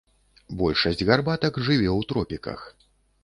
Большасць гарбатак жыве ў тропіках.